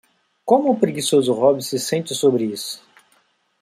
Como o preguiçoso Robbie se sente sobre isso?